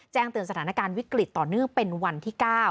เตือนสถานการณ์วิกฤตต่อเนื่องเป็นวันที่๙